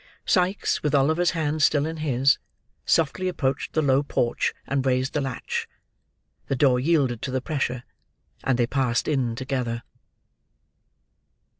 Sikes, with Oliver's hand still in his, softly approached the low porch, and raised the latch. The door yielded to the pressure, and they passed in together.